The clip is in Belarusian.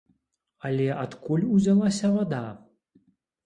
Але адкуль узялася вада?